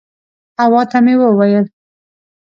حوا ته مې وویل.